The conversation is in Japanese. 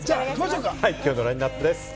では今日のラインナップです。